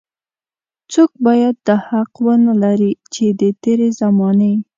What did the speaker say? څوک بايد دا حق ونه لري چې د تېرې زمانې.